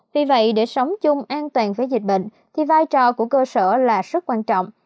vì vậy để sống chung an toàn với dịch bệnh thì vai trò của cơ sở là rất quan trọng